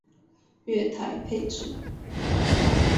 月台配置